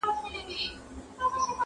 • دا کيسه د فکر سيوری دی تل..